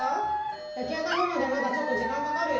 焼き上がりまでまだちょっと時間かかるよ。